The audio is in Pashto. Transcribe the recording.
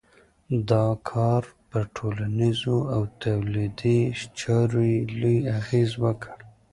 دا کار پر ټولنیزو او تولیدي چارو یې لوی اغېز وکړ.